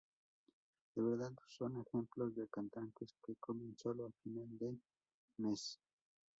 ¿De verdad son ejemplos de cantantes que comen solo a final de mes?